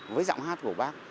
với giọng hát của bác